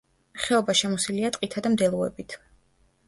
ხეობა შემოსილია ტყითა და მდელოებით.